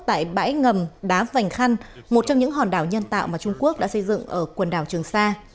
tại bãi ngầm đá vành khăn một trong những hòn đảo nhân tạo mà trung quốc đã xây dựng ở quần đảo trường sa